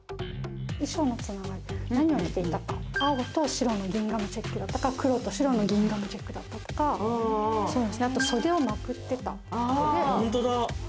衣装のつながり、何を着ていたか、青と白のギンガムチェックとか、黒と白のギンガムチェックとか、袖をまくってたとか。